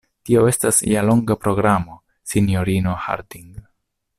Tio estas ja longa programo, sinjorino Harding.